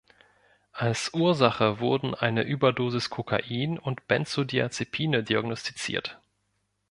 Als Ursache wurden eine Überdosis Kokain und Benzodiazepine diagnostiziert.